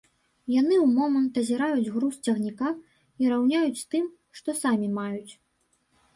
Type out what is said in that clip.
Яны ў момант азіраюць груз цягніка і раўняюць з тым, што самі маюць.